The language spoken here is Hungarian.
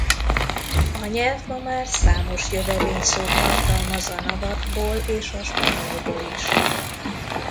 A nyelv ma már számos jövevényszót tartalmaz a navatlból és a spanyolból is.